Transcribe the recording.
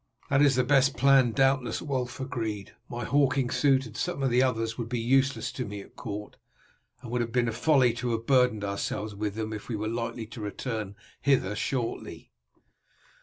"That is the best plan, doubtless," Wulf agreed. "My hawking suit and some of the others would be useless to me at court, and it would have been folly to have burdened ourselves with them if we are likely to return hither shortly."